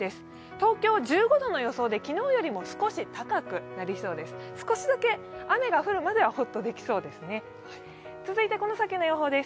東京、１５度の予想で昨日よりも少し高くなりそうです。